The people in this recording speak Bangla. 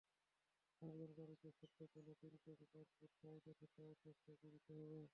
আবেদনকারীকে সদ্য তোলা তিন কপি পাসপোর্ট সাইজের সত্যায়িত ছবি দিতে হবে।